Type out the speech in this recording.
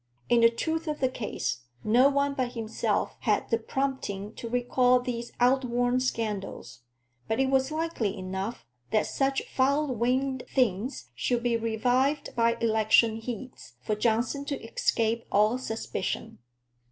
In the truth of the case, no one but himself had the prompting to recall these out worn scandals; but it was likely enough that such foul winged things should be revived by election heats for Johnson to escape all suspicion.